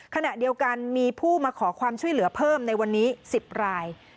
ขณะเดียวกันมีผู้มาขอความช่วยเหลือเพิ่มในวันนี้๑๐ราย